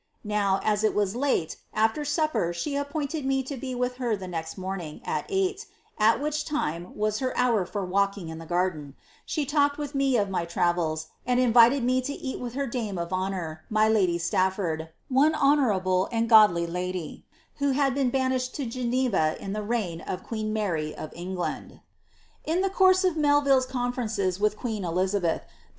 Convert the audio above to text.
Now, as it was late, supper she appointed mc to be with her next morning at eight, at h time was her hour for walking in the garden ; she talked with f my travels, and invited me to rat with her dame of honour, my Stafford, one iionourable and godly lady« who had been banished to va in the reign of queen Mary of England." the cour.se of Melville's conferences with queen Elizabeth, the